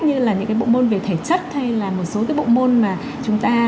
như là những cái bộ môn về thể chất hay là một số cái bộ môn mà chúng ta